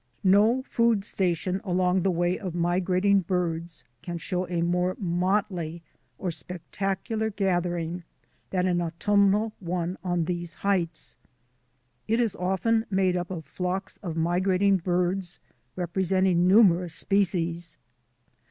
No food station along the way of migrating birds can show a more motley or spectacular gathering than an autumnal one on these heights. It is often made up of flocks of migrating birds representing numerous species.